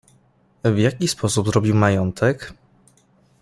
"W jaki sposób zrobił majątek?"